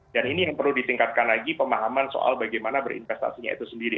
dan ini yang perlu ditingkatkan lagi pemahaman soal bagaimana berinvestasinya itu sendiri